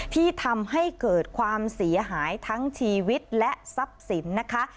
ที่ทำให้เกิดความเสียหายทั้งชีวิตและทรัพย์สินนะคะ